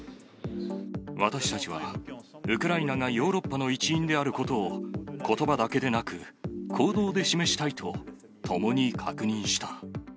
私たちは、ウクライナがヨーロッパの一員であることを、ことばだけでなく、行動で示したいと、ともに確認した。